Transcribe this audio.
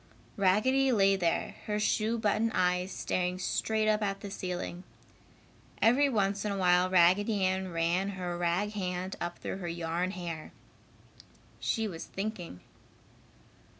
Raggedy lay there, her shoe button eyes staring straight up at the ceiling. Every once in a while Raggedy Ann ran her rag hand up through her yarn hair. She was thinking.